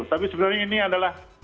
tapi sebenarnya ini adalah